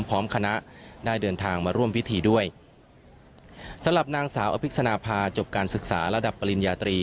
พร้อมคณะได้เดินทางมาร่วมพิธีด้วยสำหรับนางสาวอภิกษณภาจบการศึกษาระดับปริญญาตรี